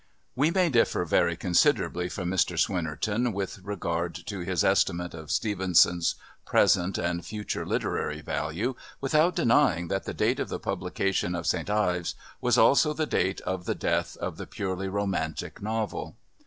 We may differ very considerably from Mr Swinnerton with regard to his estimate of Stevenson's present and future literary value without denying that the date of the publication of St Ives was also the date of the death of the purely romantic novel.